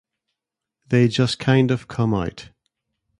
They just kind of come out.